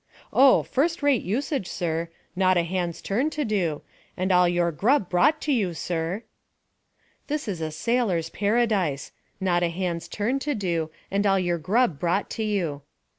"Oh! first rate usage, sir; not a hand's turn to do, and all your grub brought to you, sir." This is a sailor's paradise, not a hand's turn to do, and all your grub brought to you.